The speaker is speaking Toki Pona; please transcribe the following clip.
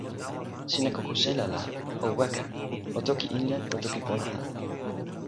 sina kokosila la o weka o toki Inli o toki pona ala.